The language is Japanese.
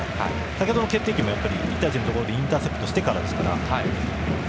先ほどの決定機も１対１のところでインターセプトしてからですから。